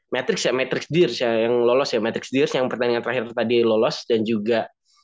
matrix ya matrix dears yang lolos ya matrix dears yang pertandingan terakhir tadi lolos dan juga